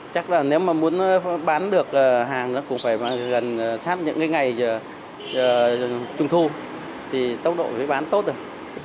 chắc là nếu mà muốn bán được hàng cũng phải gần sát những ngày trung thu thì tốc độ bán tốt được